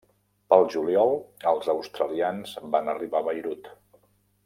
Pel juliol, els australians van arribar a Beirut.